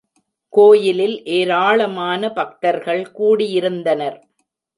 கோயிலில் ஏராளமான பக்தர்கள் கூடியிருந்தனர்.